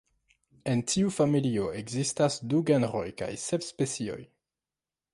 En tiu familio ekzistas du genroj kaj sep specioj.